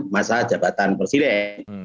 masa jabatan presiden